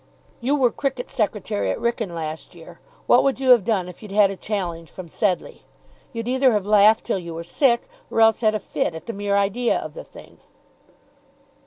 You were cricket secretary at Wrykyn last year. What would you have done if you'd had a challenge from Sedleigh? You'd either have laughed till you were sick, or else had a fit at the mere idea of the thing."